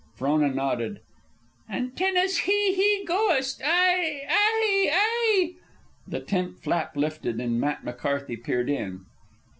Frona nodded. "And Tenas Hee Hee goest! Ai! Ai! Ai!" The tent flap lifted, and Matt McCarthy peered in.